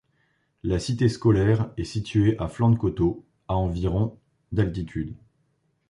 La cité scolaire est située à flanc de coteau à environ d'altitude.